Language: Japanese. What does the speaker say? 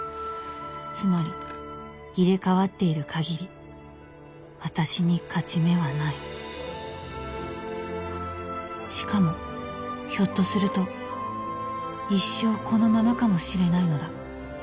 つまり入れ替わっているかぎり私に勝ち目はないしかもひょっとすると一生このままかもしれないのだ